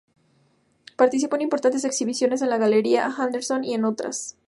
Participó en importantes exhibiciones en la Galería Anderson y en otras.